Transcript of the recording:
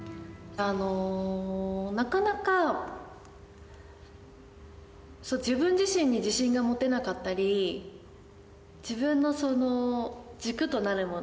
あのなかなか自分自身に自信が持てなかったり自分のその軸となるもの